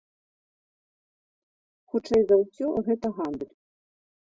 Хутчэй за ўсё, гэта гандаль.